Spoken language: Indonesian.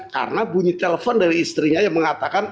karena bunyi telepon dari istrinya yang mengatakan